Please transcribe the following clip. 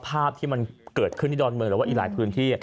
ภาพที่มันเกิดขึ้นที่ดอนเมืองหรือว่าอีกหลายพื้นที่